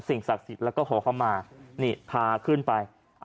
สิ่งศักดิ์สิทธิ์แล้วแต่ลำสี่ห้อวัดกลับมาพาขึ้นไปอันนี้